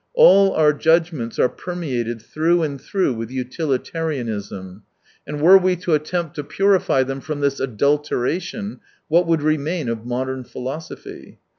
All our judg ments are permeated through and through with utilitarianism, and were we to attempt to purify them from this adulteration what would remain of modern philosophy